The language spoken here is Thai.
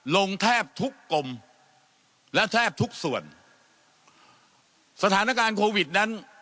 ลงแทบทุกกรมและแทบทุกส่วนสถานการณ์โควิดนั้น